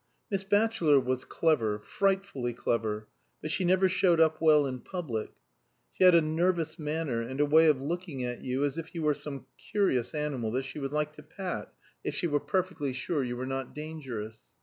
Miss Batchelor was clever frightfully clever but she never showed up well in public; she had a nervous manner, and a way of looking at you as if you were some curious animal that she would like to pat if she were perfectly sure you were not dangerous.